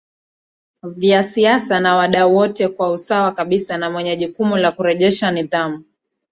vya siasa na wadau wote kwa usawa kabisa na mwenye jukumu la kurejesha nidhamu